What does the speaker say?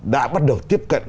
đã bắt đầu tiếp cận